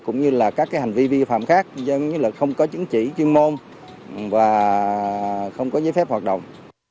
cũng như là các hành vi vi phạm khác như là không có chứng chỉ chuyên môn và không có giấy phép hoạt động